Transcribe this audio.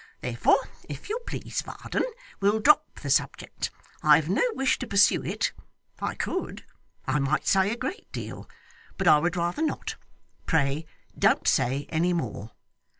Therefore, if you please, Varden, we'll drop the subject. I have no wish to pursue it. I could. I might say a great deal. But I would rather not. Pray don't say any more.